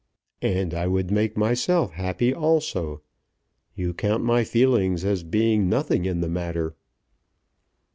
"And I would make myself happy also. You count my feelings as being nothing in the matter."